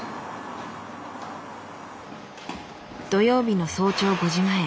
土曜日の早朝５時前。